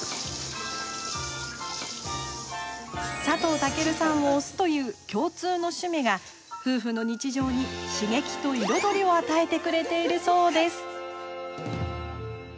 佐藤健さんを推すという共通の趣味が夫婦の日常に刺激と彩りを与えてくれているそうです。